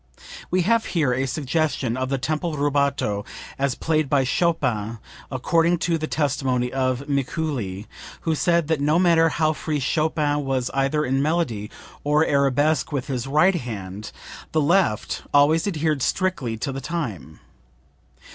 [We have here a suggestion of the tempo rubato as played by Chopin according to the testimony of Mikuli, who said that no matter how free Chopin was either in melody or arabesque with his right hand, the left always adhered strictly to the time.